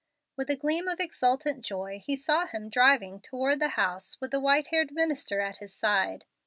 With a gleam of exultant joy he saw him driving toward the house with the white haired minister at his side.